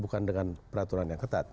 bukan dengan peraturan yang ketat